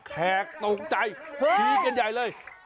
แขกตกใจทิ้งกันใหญ่เลย